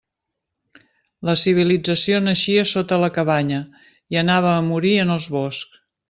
La civilització naixia sota la cabanya i anava a morir en els boscs.